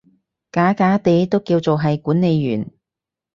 假假地都叫做係管理員